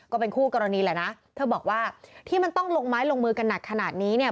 ก็เป็นคู่กรณีแหละนะเธอบอกว่าที่มันต้องลงไม้ลงมือกันหนักขนาดนี้เนี่ย